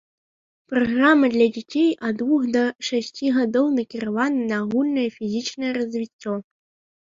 Праграма для дзяцей ад двух да шасці гадоў накіравана на агульнае фізічнае развіццё.